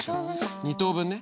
２等分ね。